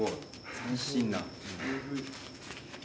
斬新な。